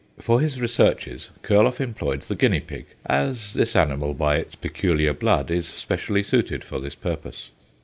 For his researches, Kurloff employed the guinea pig, as this animal by its peculiar blood is specially suited for this purpose.